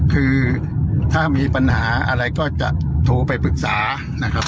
คือถ้ามีปัญหาอะไรก็จะโทรไปปรึกษานะครับ